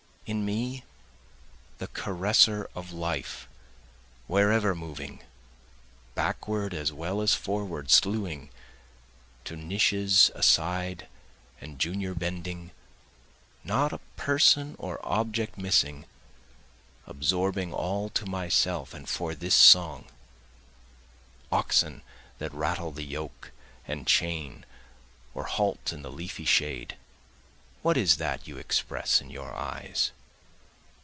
In me the caresser of life wherever moving, backward as well as forward sluing, To niches aside and junior bending, not a person or object missing, Absorbing all to myself and for this song. Oxen that rattle the yoke and chain or halt in the leafy shade, what is that you express in your eyes?